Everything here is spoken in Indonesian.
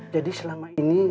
jadi selama ini